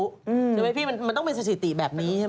ใช่ไหมพี่มันต้องเป็นสถิติแบบนี้ใช่ไหม